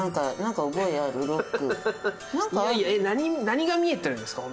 何が見えてるんですか？